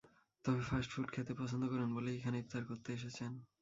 তবে fast food খেতে পছন্দ করেন বলেই এখানে ইফতার করতে এসেছেন।